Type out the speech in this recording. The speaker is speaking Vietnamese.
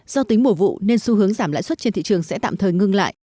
do tính mùa vụ nên xu hướng giảm lãi suất trên thị trường sẽ tạm thời ngưng lại